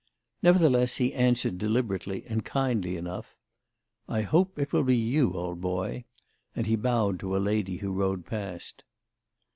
Nevertheless he answered deliberately and kindly enough. "I hope it will be you, old boy." And he bowed to a lady who rode past.